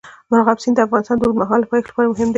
مورغاب سیند د افغانستان د اوږدمهاله پایښت لپاره مهم دی.